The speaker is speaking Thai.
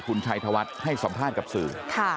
คุณชายธวัฏให้สอบภาษณ์กับสื่อ